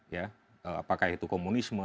ya apakah itu komunisme